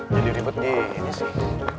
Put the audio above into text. jadi ribet dia ini sih